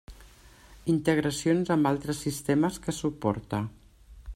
Integracions amb altres sistemes que suporta.